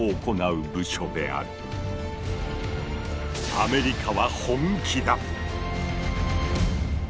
アメリカは本気だ！